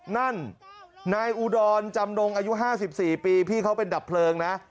นั่นนายอุดรจำนงอายุ๕๔ปีพี่เขาเป็นดับเพลิงนะ